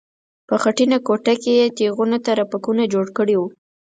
په خټینه کوټه کې یې تیغونو ته رپکونه جوړ کړي وو.